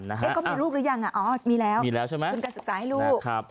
ก็มีลูกหรือยังอ๋อมีแล้วทุนการศึกษาให้ลูก